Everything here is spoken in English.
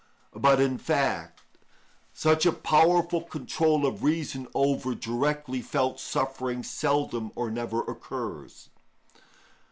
But, in fact, such a powerful control of reason over directly felt suffering seldom or never occurs.